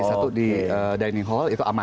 satu di dining hall itu aman